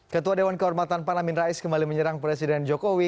ketua dewan kehormatan pan amin rais kembali menyerang presiden jokowi